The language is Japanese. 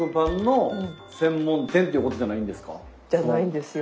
じゃないんですよ。